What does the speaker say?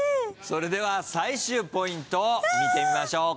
それでは最終ポイント見てみましょう。